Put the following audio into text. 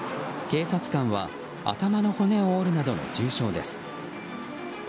警察官は頭の骨を折るなどの重傷です。